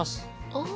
ああ。